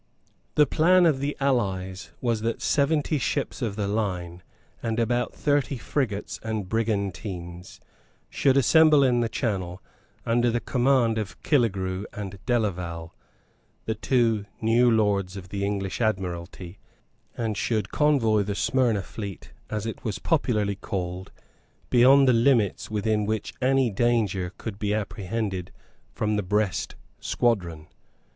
The plan of the allies was that seventy ships of the line and about thirty frigates and brigantines should assemble in the Channel under the command of Killegrew and Delaval, the two new Lords of the English Admiralty, and should convoy the Smyrna fleet, as it was popularly called, beyond the limits within which any danger could be apprehended from the Brest squadron.